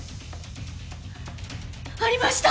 ありました！